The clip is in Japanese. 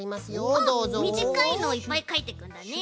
あっみじかいのをいっぱいかいていくんだね。